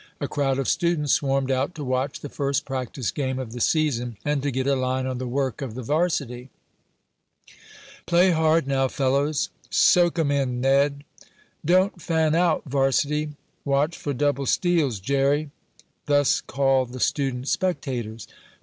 A crowd of students swarmed out to watch the first practice game of the season and to get a line on the work of the varsity. "Play hard now, fellows!" "Soak 'em in, Ned!" "Don't fan out varsity!" "Watch for double steals, Jerry!" Thus called the student spectators.